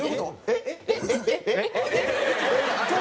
えっ？